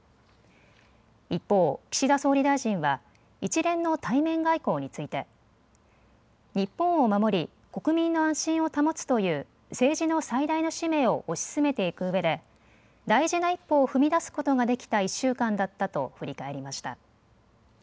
一方、岸田総理大臣は、一連の対面外交について、日本を守り、国民の安心を保つという、政治の最大の使命を推し進めていくうえで、大事な一歩を踏み出すことができた１週間だったと振り返りました。